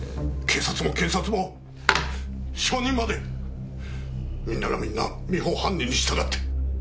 警察も検察も証人までみんながみんな美穂を犯人にしたがって。